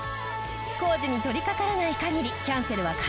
工事に取りかからない限りキャンセルは可能です。